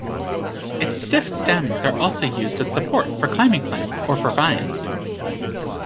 Its stiff stems are also used as support for climbing plants or for vines.